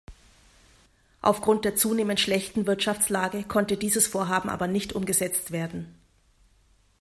Auf Grund der zunehmend schlechten Wirtschaftslage konnte dieses Vorhaben aber nicht umgesetzt werden.